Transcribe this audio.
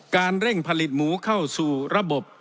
เร่งผลิตหมูเข้าสู่ระบบ